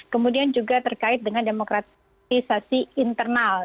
kemudian juga terkait dengan demokratisasi internal